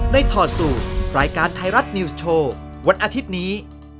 ถอดสูตรรายการไทยรัฐนิวส์โชว์วันอาทิตย์นี้